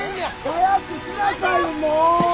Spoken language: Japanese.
早くしなさいよもう！